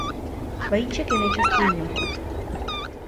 Vajíček je nejčastěji mnoho.